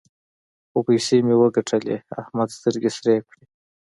څو پيسې مې وګټلې؛ احمد سترګې سرې کړې.